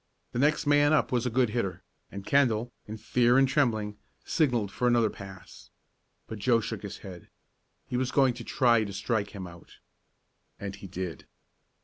The next man up was a good hitter, and Kendall, in fear and trembling, signalled for another pass. But Joe shook his head. He was going to try to strike him out. And he did.